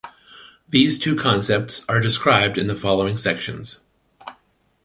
These two concepts are described in the following sections.